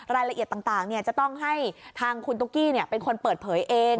รายละเอียดต่างจะต้องให้ทางคุณตุ๊กกี้เป็นคนเปิดเผยเอง